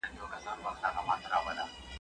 حال منصور وايه، سر ئې په دار سو.